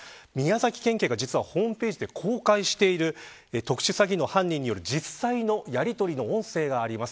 宮崎県警がホームページで公開している特殊詐欺の犯人による実際のやりとりの音声があります。